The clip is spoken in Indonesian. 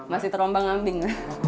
masih terombang ambing